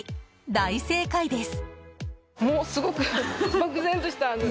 大正解です。